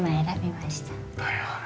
だよね。